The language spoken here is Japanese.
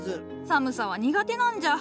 寒さは苦手なんじゃ。